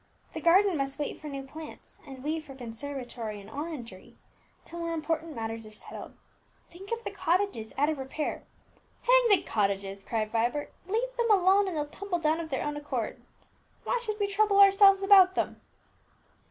The garden must wait for new plants, and we for conservatory and orangery, till more important matters are settled. Think of the cottages out of repair " "Hang the cottages!" cried Vibert. "Leave them alone, and they'll tumble down of their own accord. Why should we trouble ourselves about them?"